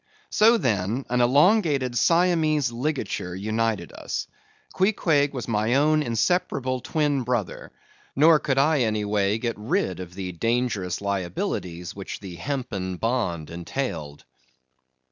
So, then, an elongated Siamese ligature united us. Queequeg was my own inseparable twin brother; nor could I any way get rid of the dangerous liabilities which the hempen bond entailed.